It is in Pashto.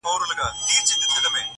یارانو رخصتېږمه، خُمار درڅخه ځمه٫